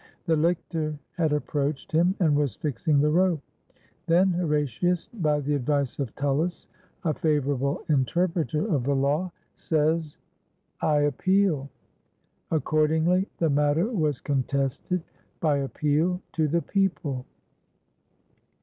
The lictor had approached him and was fixing the rope. Then Horatius, by the advice of Tullus, a favorable interpreter of the law, 266 THE HORATII AND THE CURIATII says, "I appeal." Accordingly the matter was con tested by appeal to the people.